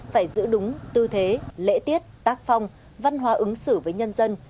phải giữ đúng tư thế lễ tiết tác phong văn hóa ứng xử với nhân dân